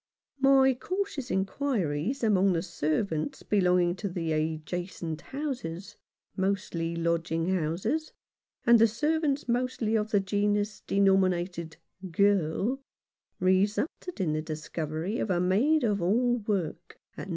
My cautious inquiries among the servants belonging to the adjacent houses — mostly lodging houses — and the servants mostly of the genus denominated " girl," resulted in the discovery of a maid of all work, at No.